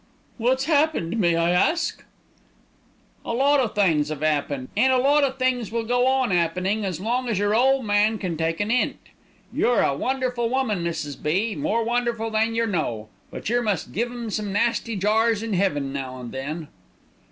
"What's happened, may I ask?" "A lot o' things 'ave 'appened, an' a lot of things will go on 'appenin' as long as your ole man can take an 'int. You're a wonderful woman, Mrs. B., more wonderful than yer know; but yer must give 'em some nasty jars in 'eaven now and then."